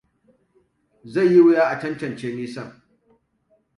Zai yi wuya a tantance nisan.